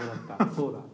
そうだ。